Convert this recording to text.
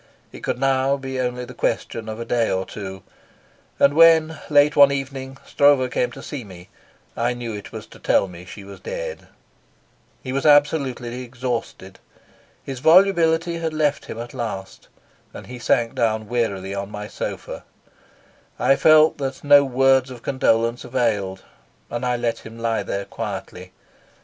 It could now be only the question of a day or two; and when, late one evening, Stroeve came to see me I knew it was to tell me she was dead. He was absolutely exhausted. His volubility had left him at last, and he sank down wearily on my sofa. I felt that no words of condolence availed, and I let him lie there quietly.